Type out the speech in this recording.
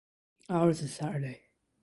Ours is Saturday.